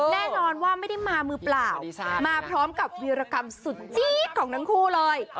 แน่นอนว่าไม่ได้มามือเปล่ามาพร้อมกับวีรกรรมสุดจี๊ดของทั้งคู่เลย